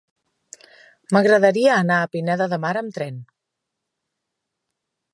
M'agradaria anar a Pineda de Mar amb tren.